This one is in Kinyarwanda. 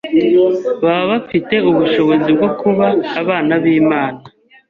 baba bafite ubushobozi bwo kuba abana b’Imana,